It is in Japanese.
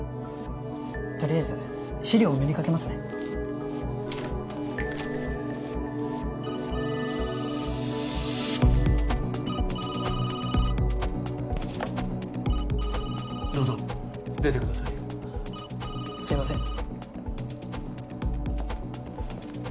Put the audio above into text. とりあえず資料をお目にかけますねどうぞ出てくださいすいませんＨｅｙｈｏｗ